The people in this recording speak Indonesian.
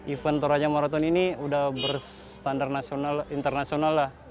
event toraja maraton ini sudah berstandar internasional lah